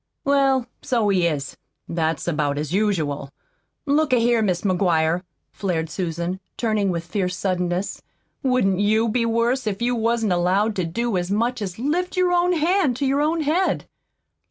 "Well, so he is. That's about as usual. Look a here, Mis' McGuire," flared Susan, turning with fierce suddenness, "wouldn't YOU be worse if you wasn't allowed to do as much as lift your own hand to your own head?"